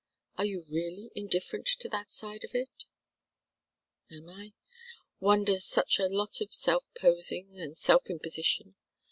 Are you really indifferent to that side of it?" "Am I? One does such a lot of self posing and self imposition.